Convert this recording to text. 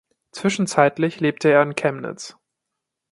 Zwischenzeitlich lebte er in Chemnitz.